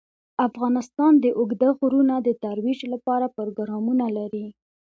افغانستان د اوږده غرونه د ترویج لپاره پروګرامونه لري.